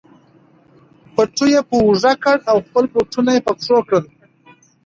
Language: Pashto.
پټو یې په اوږه کړ او خپل بوټونه یې په پښو کړل.